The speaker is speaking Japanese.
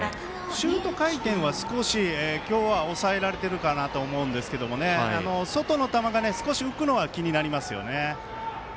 シュート回転は少し今日は抑えられているかなと思うんですけど外の球が少し浮くのは気になりますよね。